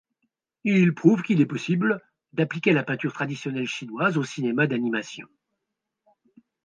Il prouve qu'il est possible d'appliquer la peinture traditionnelle chinoise au cinéma d'animation.